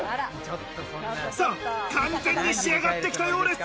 完全に仕上がってきたようです。